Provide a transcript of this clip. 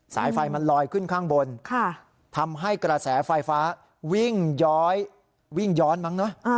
สายไฟมันลอยขึ้นข้างบนทำให้กระแสไฟฟ้าวิ่งย้อยวิ่งย้อนมั้งเนอะ